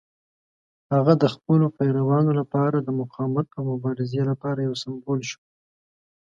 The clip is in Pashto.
هغه د خپلو پیروانو لپاره د مقاومت او مبارزې لپاره یو سمبول شو.